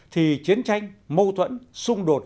thì chiến tranh mâu thuẫn xung đột